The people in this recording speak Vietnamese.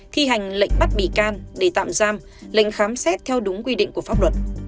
thi hành lệnh bắt bị can để tạm giam lệnh khám xét theo đúng quy định của pháp luật